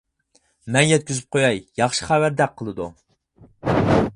مەن يەتكۈزۈپ قوياي ياخشى خەۋەردەك قىلىدۇ.